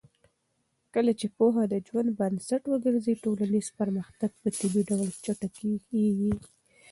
کله چې پوهه د ژوند بنسټ وګرځي، ټولنیز پرمختګ په طبیعي ډول چټکېږي.